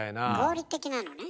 合理的なのね？